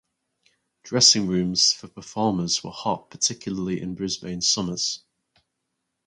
Dressing rooms for performers were hot particularly in Brisbane summers.